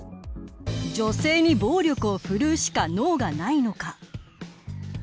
女性に暴力をふるうしか能がないのか。